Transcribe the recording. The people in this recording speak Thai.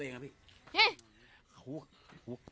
พระต่ายสวดมนต์